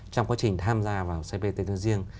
trong quá trình tham gia vào cpt tương riêng